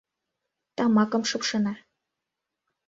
Тамакым шупшына.